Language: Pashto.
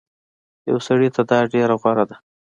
يو سړي ته دا ډير غوره ده